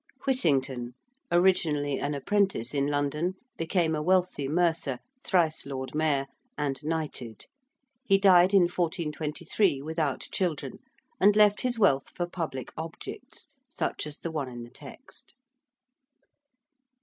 ~Whittington~, originally an apprentice in London, became a wealthy mercer, thrice Lord Mayor, and knighted. He died in 1423, without children, and left his wealth for public objects, such as the one in the text.